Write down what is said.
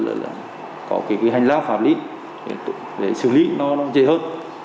rất là có hành lao phạm lý để xử lý nó dễ hơn